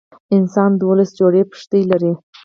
انسان دولس جوړي پښتۍ لري.